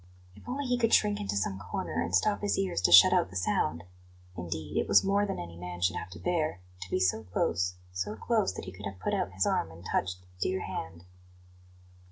If only he could shrink into some corner and stop his ears to shut out the sound! Indeed, it was more than any man should have to bear to be so close, so close that he could have put out his arm and touched the dear hand.